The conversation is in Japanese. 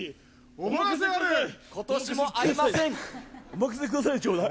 お任せください、ちょうだい。